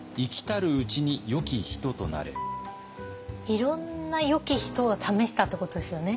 いろんな「よき人」を試したってことですよね。